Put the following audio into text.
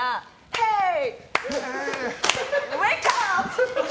ヘイ！